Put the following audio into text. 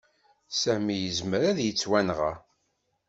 Sami yezmer ad yettwanɣa.